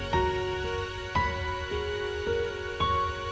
เหมือนกัน